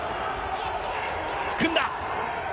組んだ！